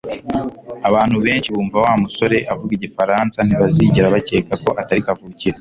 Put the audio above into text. Abantu benshi bumva Wa musore avuga igifaransa ntibazigera bakeka ko atari kavukire